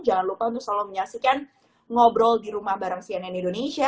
jangan lupa untuk selalu menyaksikan ngobrol di rumah bareng cnn indonesia